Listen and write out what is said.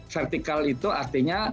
vertikal itu artinya